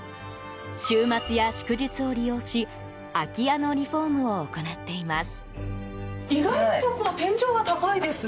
週末や祝日を利用し空き家のリフォームを行っています。